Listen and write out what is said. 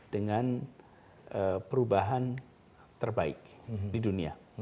dengan perubahan terbaik di dunia